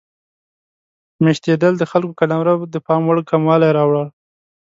میشتېدل د خلکو قلمرو د پام وړ کموالی راوړ.